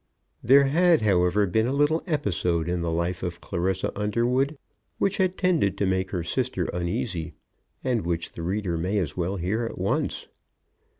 There had, however, been a little episode in the life of Clarissa Underwood, which had tended to make her sister uneasy, and which the reader may as well hear at once.